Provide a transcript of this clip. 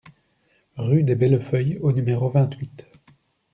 Rue des Belles Feuilles au numéro vingt-huit